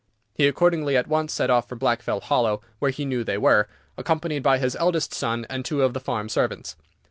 He accordingly at once set off for Blackfell Hollow, where he knew they were, accompanied by his eldest son and two of the farm servants.